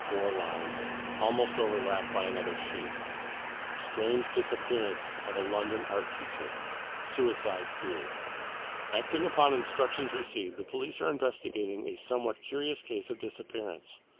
Four lines, almost overlapped by another sheet STRANGE DISAPPEARANCE OF A LONDON ART TEACHER SUICIDE FEARED Acting upon instructions received, the police are investigating a somewhat curious case of disappearance.